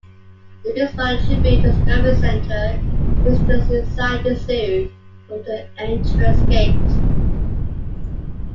The Bismarck Tribune Discovery Center is just inside the zoo from the entrance gate.